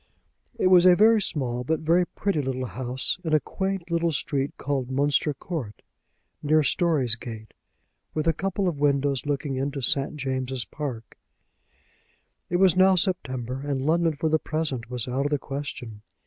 It was a very small but a very pretty little house, in a quaint little street called Munster Court, near Storey's Gate, with a couple of windows looking into St. James's Park. It was now September, and London for the present was out of the question.